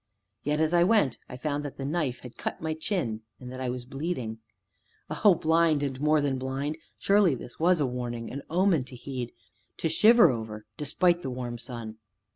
Yet, as I went, I found that the knife had cut my chin, and that I was bleeding. O Blind, and more than blind! Surely this was a warning, an omen to heed to shiver over, despite the warm sun!